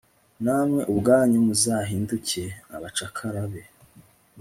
namwe ubwanyu muzahinduke abacakara be